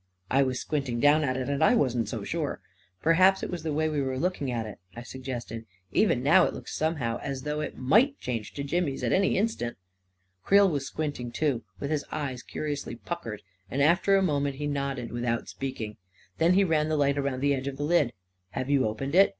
" I was squinting down at it, and I wasn't so sure. " Perhaps it was the way we were looking at it," I suggested. " Even now, it looks somehow as v though it might change to Jimmy's at any instant." Creel was squinting too, with his eyes curiously puckered; and after a moment, he nodded without A KING IN BABYLON 297 speaking. Then he ran the light around the edge of the lid. " Have you opened it?